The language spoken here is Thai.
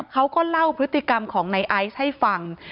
เขาก็เล่าพฤติกรรมของในไอซ์ให้ฟัง